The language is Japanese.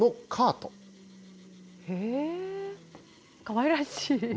かわいらしい。